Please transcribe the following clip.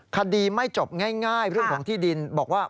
คดีไม่จบง่ายเรื่องของที่ดินบอกว่า